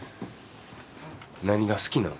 何が好きなん？